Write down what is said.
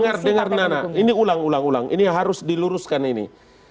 dengar dengar nana ini ulang ulang ulang ini yang harus diluruskan ini